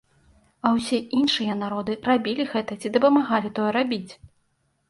А ўсе іншыя народы рабілі гэта ці дапамагалі тое рабіць.